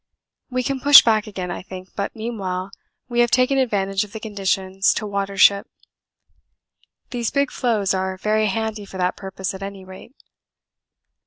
We can push back again, I think, but meanwhile we have taken advantage of the conditions to water ship. These big floes are very handy for that purpose at any rate.